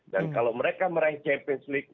dan kalau mereka meraih champions league